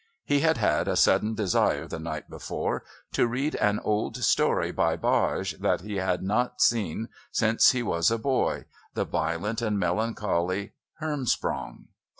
He had had a sudden desire the night before to read an old story by Bage that he had not seen since he was a boy the violent and melancholy Hermsprong.